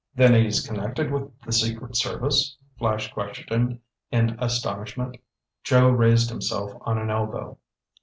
"Then he's connected with the secret service?" Flash questioned in astonishment. Joe raised himself on an elbow.